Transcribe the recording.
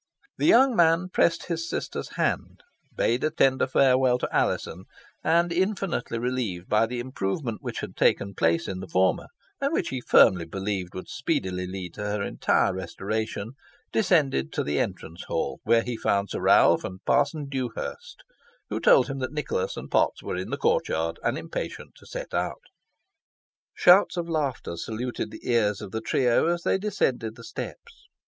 The young man pressed his sister's hand, bade a tender farewell to Alizon, and, infinitely relieved by the improvement which had taken place in the former, and which he firmly believed would speedily lead to her entire restoration, descended to the entrance hall, where he found Sir Ralph and Parson Dewhurst, who told him that Nicholas and Potts were in the court yard, and impatient to set out. Shouts of laughter saluted the ears of the trio as they descended the steps.